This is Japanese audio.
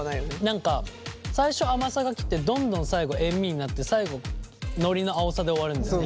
何か最初甘さがきてどんどん最後塩味になって最後のりの青さで終わるんだよね。